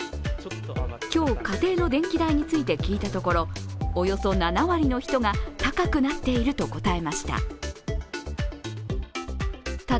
今日、家庭の電気代について聞いたところおよそ７割の人が、高くなっていると答えました。